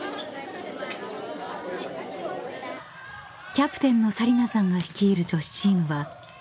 ［キャプテンの紗理那さんが率いる女子チームは強化合宿中］